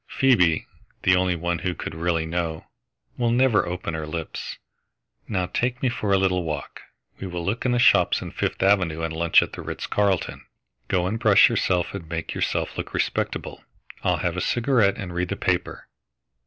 Phoebe the only one who could really know will never open her lips. Now take me for a little walk. We will look in the shops in Fifth Avenue and lunch at the Ritz Carlton. Go and brush yourself and make yourself look respectable. I'll have a cigarette and read the paper....